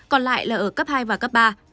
còn lại là ở cấp hai và cấp ba